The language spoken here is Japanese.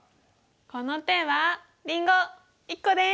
この手はりんご１個です！